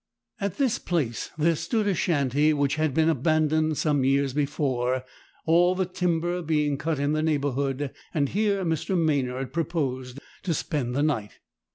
At this place there stood a shanty which had been abandoned some years before, all the timber being cut in the neighbourhood, and here Mr. Maynard proposed to spend the night.